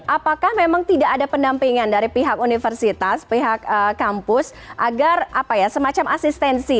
apakah memang tidak ada pendampingan dari pihak universitas pihak kampus agar semacam asistensi